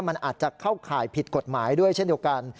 มันอาจจะเข้าข่ายผิดกฎหมายด้วยเช่นเดียวกัน